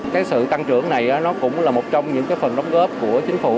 cái sự tăng trưởng này cũng là một trong những phần đóng góp của chính phủ